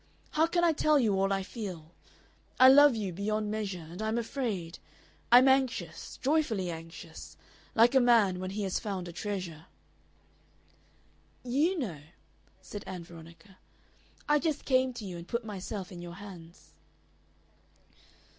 How can I tell you all I feel? I love you beyond measure. And I'm afraid.... I'm anxious, joyfully anxious, like a man when he has found a treasure." "YOU know," said Ann Veronica. "I just came to you and put myself in your hands."